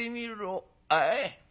あい。